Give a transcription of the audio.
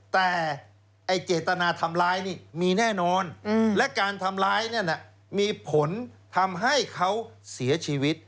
แต่ไอ้เจตนาทำร้ายนี่มีแน่นอนและการทำร้ายเนี่ยมีผลทำให้เขาเสียชีวิต